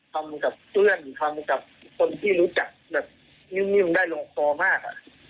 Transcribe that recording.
ความเงินความกับคนที่รู้จักยิ่มได้ลงคอมาก